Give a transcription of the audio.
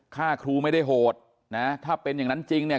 ฆ่าครูไม่ได้โหดนะถ้าเป็นอย่างนั้นจริงเนี่ย